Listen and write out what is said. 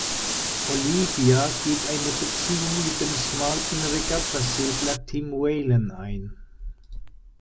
Olivia geht eine Beziehung mit dem smarten Regatta-Segler Tim Whalen ein.